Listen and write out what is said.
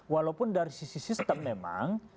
walaupun dari sisi sistem memang